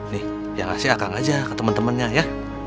nih yang kasih a kang aja ke temen temennya ya